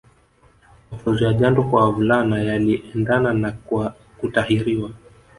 Mafunzo ya jando kwa wavulana yaliendana na kutahiriwa